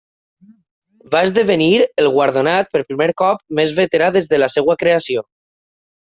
Va esdevenir el guardonat per primer cop més veterà des de la seva creació.